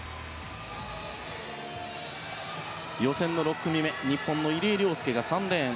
予選の６組目日本の入江陵介、３レーン。